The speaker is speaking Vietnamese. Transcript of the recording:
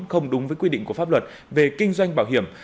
không đúng với quy định của pháp luật về kinh doanh bảo hiểm